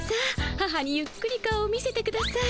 母にゆっくり顔を見せてください。